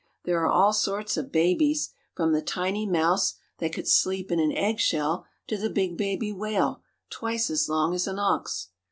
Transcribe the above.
There are all sorts of babies, from the tiny mouse that could sleep in an eggshell to the big baby whale, twice as long as an ox.